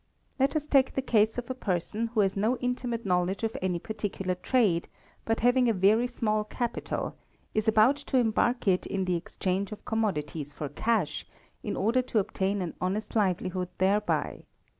Let us take the case of a person who has no intimate knowledge of any particular trade, but having a very small capital, is about to embark it in the exchange of commodities for cash, in order to obtain an honest livelihood thereby.